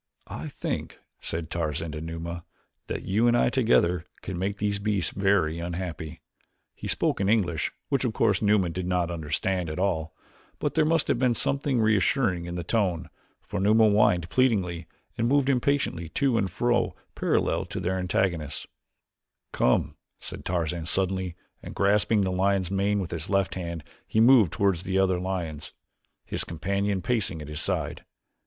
"I think," said Tarzan to Numa, "that you and I together can make these beasts very unhappy." He spoke in English, which, of course, Numa did not understand at all, but there must have been something reassuring in the tone, for Numa whined pleadingly and moved impatiently to and fro parallel with their antagonists. "Come," said Tarzan suddenly and grasping the lion's mane with his left hand he moved toward the other lions, his companion pacing at his side.